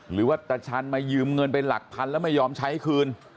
หรือว่าตาชันมายืมเงินไปหลักพันแล้วไม่ยอมใช้คืน